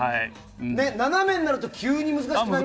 斜めになると急に難しくなる。